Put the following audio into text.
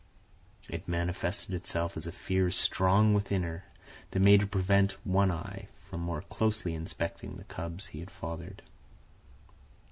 It manifested itself as a fear strong within her, that made her prevent One Eye from more closely inspecting the cubs he had fathered.